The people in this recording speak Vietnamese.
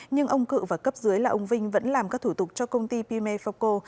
nhưng ông cự và cấp dưới là ông vinh vẫn làm các thủ tục cho công ty pimefaco